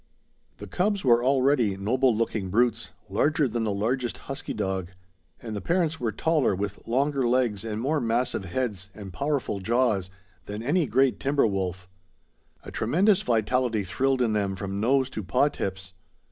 The cubs were already noble looking brutes, larger than the largest husky dog; and the parents were taller, with longer legs and more massive heads and powerful jaws, than any great timber wolf. A tremendous vitality thrilled in them from nose to paw tips.